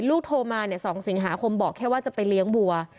ลูกโทรมาเนี่ยสองสิงหาคมบอกแค่ว่าจะไปเลี้ยงบัว